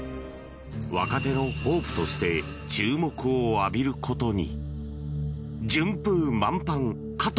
若手のホープとして注目を浴びることに。